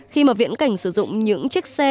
khi mà viễn cảnh sử dụng những chiếc xe